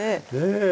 ええ。